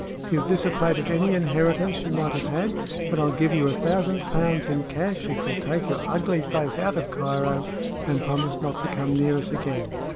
You've dissipated any inheritance you might have had; but I'll give you a thousand pounds in cash if you'll take your ugly face out of Cairo and promise not to come near us again.